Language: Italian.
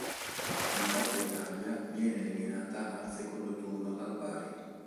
In Coppa Italia viene eliminata al secondo turno dal Bari.